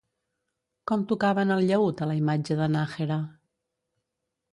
Com tocaven el llaüt a la imatge de Nájera?